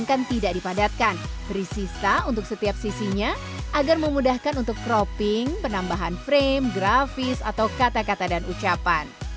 tidak dipadatkan berisi sta untuk setiap sisinya agar memudahkan untuk cropping penambahan frame grafis atau kata kata dan ucapan